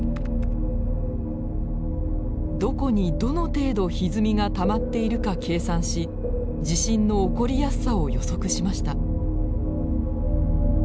どこにどの程度ひずみがたまっているか計算し地震の起こりやすさを予測しました。